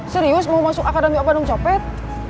serius mau masuk academy of bandung copet